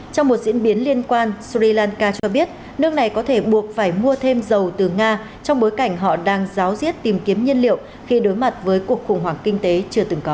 trong một diễn biến liên quan sri lanka cho biết nước này có thể buộc phải mua thêm dầu từ nga trong bối cảnh họ đang giáo diết tìm kiếm nhân liệu khi đối mặt với cuộc khủng hoảng kinh tế chưa từng có